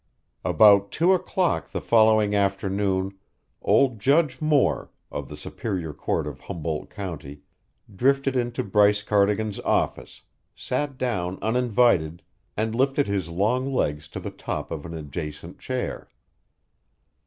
About two o'clock the following afternoon old Judge Moore, of the Superior Court of Humboldt County, drifted into Bryce Cardigan's office, sat down uninvited, and lifted his long legs to the top of an adjacent chair.